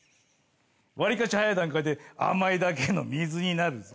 わりかし早い段階で甘いだけの水になるぜ。